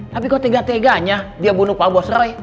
tapi kok tega teganya dia bunuh pak bosrai